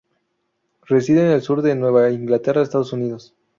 Reside en el sur de Nueva Inglaterra, Estados Unidos.